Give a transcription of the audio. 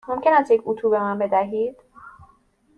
ممکن است یک اتو به من بدهید؟